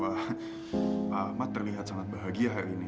wah pak ahmad terlihat sangat bahagia hari ini